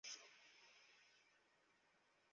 তুই যাই বলস না কেন, আমার তাতে যায় আসে না।